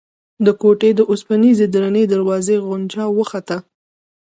د کوټې د اوسپنيزې درنې دروازې غنجا وخته.